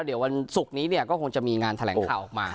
เดี๋ยววันศุกร์นี้ก็คงจะมีงานแถลงข่าวออกมา